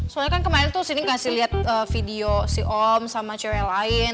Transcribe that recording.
soalnya kan kemarin tuh sini ngasih lihat video si om sama cewek lain